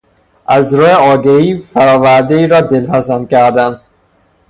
از راه آگهی فرآوردهای را دلپسندتر کردن